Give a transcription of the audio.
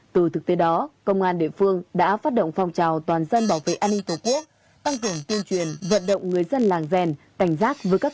từ thực tế đó công an địa phương đã phát động phong trào